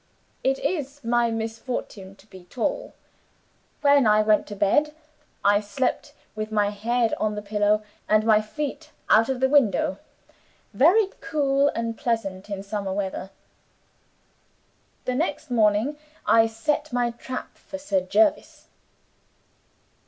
It is my misfortune to be tall. When I went to bed, I slept with my head on the pillow, and my feet out of the window. Very cool and pleasant in summer weather. The next morning, I set my trap for Sir Jervis."